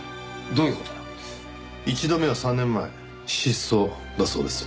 １度目は３年前失踪だそうです。